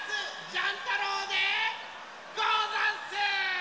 ジャン太郎でござんす！